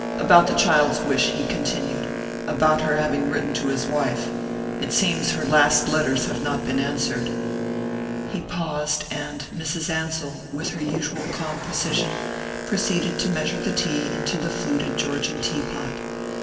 "About the child's wish," he continued. "About her having written to his wife. It seems her last letters have not been answered." He paused, and Mrs. Ansell, with her usual calm precision, proceeded to measure the tea into the fluted Georgian tea pot.